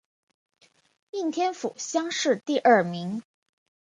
应天府乡试第二名。